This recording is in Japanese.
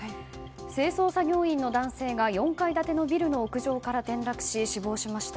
清掃作業員の男性が４階建てのビルの屋上から転落し死亡しました。